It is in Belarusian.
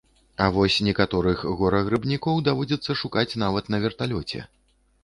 А вось некаторых гора-грыбнікоў даводзіцца шукаць нават на верталёце.